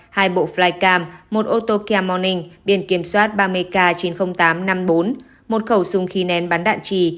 hai bộ flycam một ô tô kiamonin biển kiểm soát ba mươi k chín trăm linh tám năm mươi bốn một khẩu súng khi nén bắn đạn trì